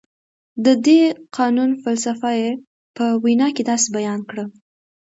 د دې قانون فلسفه یې په وینا کې داسې بیان کړه.